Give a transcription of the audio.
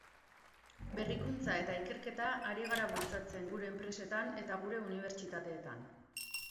Berrikuntza eta ikerketa ari gara bultzatzen gure enpresetan eta gure unibertsitateetan.